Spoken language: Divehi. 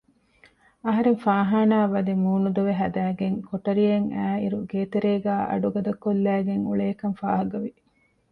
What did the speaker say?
އަހަރެން ފާހާނާއަށްވަދެ މޫނު ދޮވެ ހަދައިގެން ކޮޓަރިއަށް އައިއިރު ގޭތެރޭގައި އަޑުގަދަކޮށްލައިގެން އުޅޭކަން ފާހަގަވި